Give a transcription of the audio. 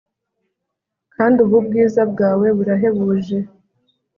Kandi ubu bwiza bwawe burahebuje